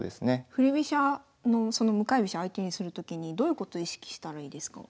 振り飛車のその向かい飛車相手にするときにどういうこと意識したらいいですか？